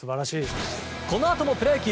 このあともプロ野球。